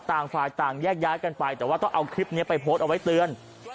ต่างฝ่ายต่างแยกย้ายกันไปแต่ว่าต้องเอาคลิปนี้ไปโพสต์เอาไว้เตือน